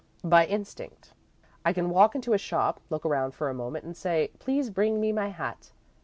"By instinct." "I can walk into a shop, look around for a moment, and say: 'please bring me my hat.'